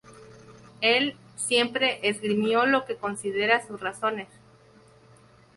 Él siempre esgrimió lo que considera sus razones.